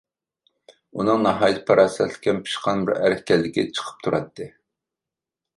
ئۇنىڭ ناھايىتى پاراسەتلىك ھەم پىشقان بىر ئەر ئىكەنلىكى چىقىپ تۇراتتى.